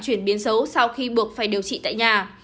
chuyển biến xấu sau khi buộc phải điều trị tại nhà